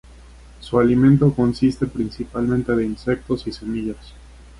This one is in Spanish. Su alimento consiste principalmente de insectos y semillas.